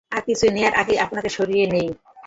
আরও কিছু নেবার আগেই আপনাকে সরিয়ে নিই।